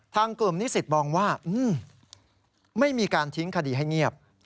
ทางกลุ่มนิสิตมองว่าไม่มีการทิ้งคดีให้เงียบ